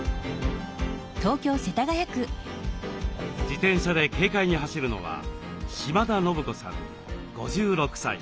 自転車で軽快に走るのは島田信子さん５６歳。